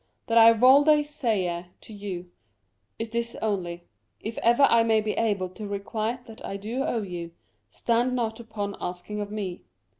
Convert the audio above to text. That I wolde saye to you, is this only: if ever I may be able to requite that I do owe you, stand not upon asking of me.